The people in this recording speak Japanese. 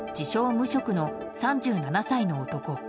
無職の３７歳の男。